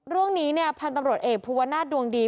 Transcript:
เรื่องนี้เนี่ยพันธุ์ตำรวจเอกภูวนาศดวงดี